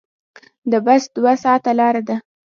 د بس دوه ساعته لاره ده.